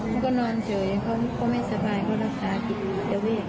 เขาก็นอนเฉยเขาไม่สบายเขารักษาอีกระเวทอยู่หลายทีแล้ว